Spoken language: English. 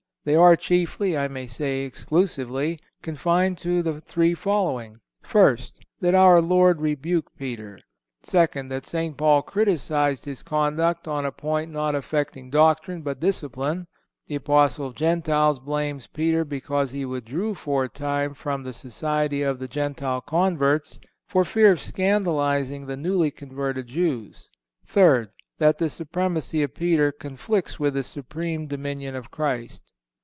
They are chiefly, I may say exclusively, confined to the three following: First—That our Lord rebuked Peter. Second—That St. Paul criticised his conduct on a point not affecting doctrine, but discipline. The Apostle of the Gentiles blames St. Peter because he withdrew for a time from the society of the Gentile converts, for fear of scandalizing the newly converted Jews.(166) Third—That the supremacy of Peter conflicts with the supreme dominion of Christ.